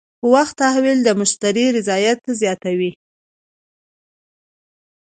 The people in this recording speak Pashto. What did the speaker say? په وخت تحویل د مشتری رضایت زیاتوي.